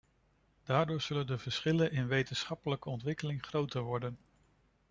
Daardoor zullen de verschillen in wetenschappelijke ontwikkeling groter worden.